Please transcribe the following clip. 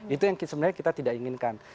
itu yang sebenarnya kita tidak inginkan